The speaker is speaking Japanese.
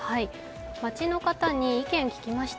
街の方に意見を聞きました。